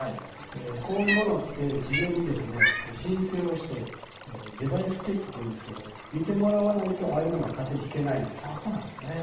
こういうものって事前に申請をしてデバイスチェックというんですけど見てもらわないとああいうものは勝手に敷けないんです。